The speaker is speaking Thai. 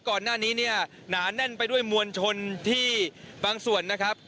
ก่อนหน้านี้เนี่ยหนาแน่นไปด้วยมวลชนที่บางส่วนนะครับ